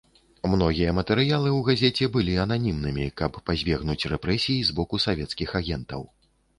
Многія матэрыялы ў газеце былі ананімнымі, каб пазбегнуць рэпрэсій з боку савецкіх агентаў.